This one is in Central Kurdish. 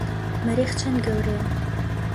مەریخ چەند گەورەیە؟